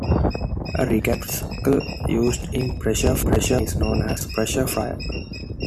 A receptacle used in pressure frying is known as a pressure fryer.